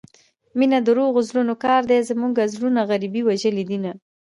مينه دروغو زړونو كار دى زموږه زړونه غريبۍ وژلي دينه